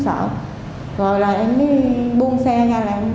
xe không đạp xeew